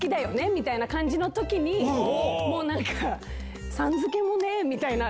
みたいな感じのときに、もう、なんか、さん付けもね、みたいな。